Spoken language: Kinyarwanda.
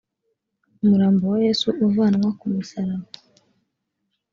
umurambo wa yesu uvanwa kumusaraba